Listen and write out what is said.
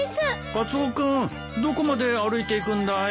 カツオ君どこまで歩いて行くんだい？